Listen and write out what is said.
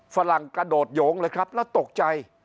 ฝรั่งกระโดดโยงเลยครับแล้วตกใจ